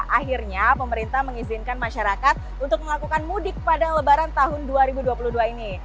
akhirnya pemerintah mengizinkan masyarakat untuk melakukan mudik pada lebaran tahun dua ribu dua puluh dua ini